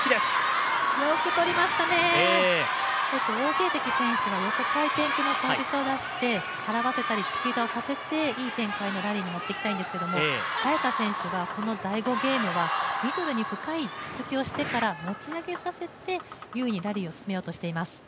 よくとりましたね、王ゲイ迪選手が横回転のサービスを出してからませたり、チキータをさせていい展開のラリーにもっていきたいんですけど早田選手はこの第５ゲームはミドルに深いツッツキをしてから持ち上げさせて優位になるよう進めています。